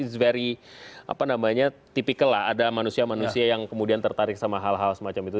di very apa namanya tipikal lah ada manusia manusia yang kemudian tertarik sama hal hal semacam itu